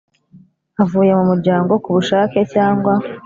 avuye mu Muryango ku bushake cyangwa